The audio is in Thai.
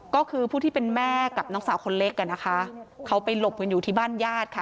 ก็คือผู้ที่เป็นแม่กับน้องสาวคนเล็กอ่ะนะคะเขาไปหลบกันอยู่ที่บ้านญาติค่ะ